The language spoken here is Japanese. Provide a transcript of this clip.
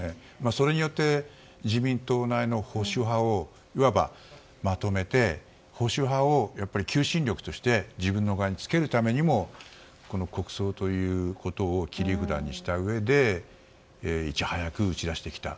それによって自民党内の保守派をいわばまとめて保守派を、求心力として自分の側につけるためにも国葬ということを切り札にしたうえでいち早く打ち出してきた。